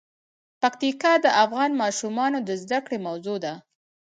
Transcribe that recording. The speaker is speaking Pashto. پکتیکا د افغان ماشومانو د زده کړې موضوع ده.